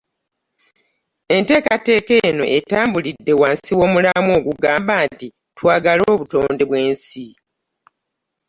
Enteekateeka eno etambulidde wansi w'omulamwa ogugamba nti "Twagale obutonde bw'ensi"